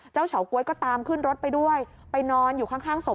เฉาก๊วยก็ตามขึ้นรถไปด้วยไปนอนอยู่ข้างศพ